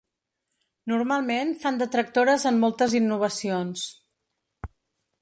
Normalment fan de tractores en moltes innovacions.